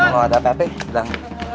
kalau ada apa apa silah